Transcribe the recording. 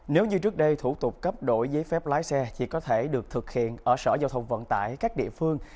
nếu như trước đây thủ tục cấp đổi giấy phép lái xe chỉ có thể được thực hiện ở sở giao thông vận tải các địa phương